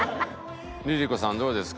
ＬｉＬｉＣｏさんどうですか？